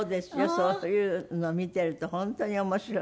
そういうのを見ていると本当に面白い。